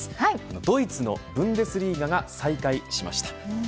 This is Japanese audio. ドイツのブンデスリーガが再開しました。